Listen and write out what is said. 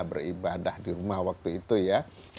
beribadah di rumah waktu itu ya